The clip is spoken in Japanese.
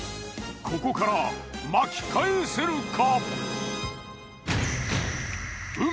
ここから巻き返せるか？